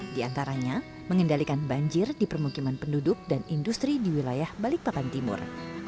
di antaranya mengendalikan banjir di permukiman penduduk dan industri di wilayah balikpapan timur